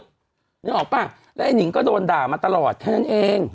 นึกออกปะแล้วอันนิก็โดนด่ามาตลอดแทนเอง